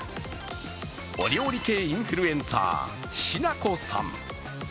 お料理系インフルエンサーしなこさん。